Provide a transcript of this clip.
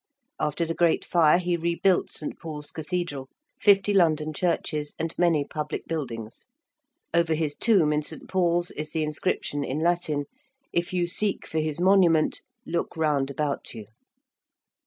After the great fire he rebuilt St. Paul's Cathedral, fifty London churches, and many public buildings. Over his tomb in St. Paul's is the inscription in Latin: 'If you seek for his monument, look round about you.'